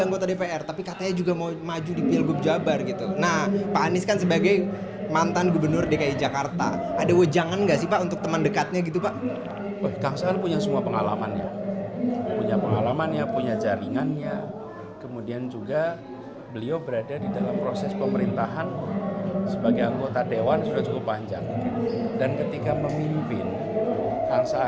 anggota dpr tapi katanya scales mengil gracious begitu dari artist artis